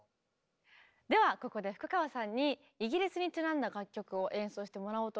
ではここで福川さんにイギリスにちなんだ楽曲を演奏してもらおうと思うんですが。